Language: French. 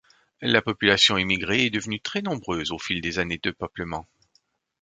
La population immigrée est devenue très nombreuse au fil des années de peuplement.